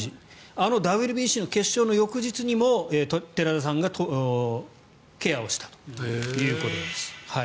あのＷＢＣの決勝の翌日にも寺田さんがケアしたということです。